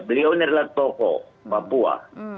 beliau ini adalah tokoh papua